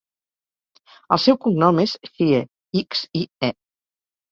El seu cognom és Xie: ics, i, e.